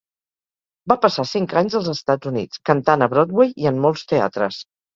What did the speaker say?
Va passar cinc anys als Estats Units, cantant a Broadway i en molts teatres.